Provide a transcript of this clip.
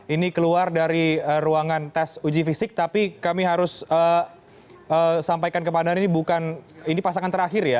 ini keluar dari ruangan tes uji fisik tapi kami harus sampaikan kepada ini bukan ini pasangan terakhir ya